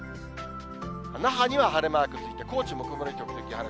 那覇には晴れマークついて、高知も曇り時々晴れ。